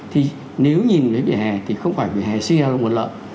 thì nếu nhìn cái vỉa hè thì không phải vỉa hè xuyên ra là nguồn lợi